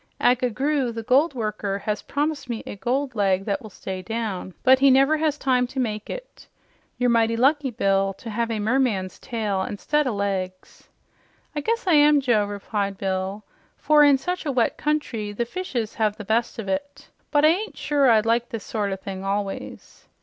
Agga Groo, the goldworker, has promised me a gold leg that will stay down, but he never has time to make it. You're mighty lucky, Bill, to have a merman's tail instead o' legs." "I guess I am, Joe," replied Cap'n Bill, "for in such a wet country the fishes have the best of it. But I ain't sure I'd like this sort o' thing always."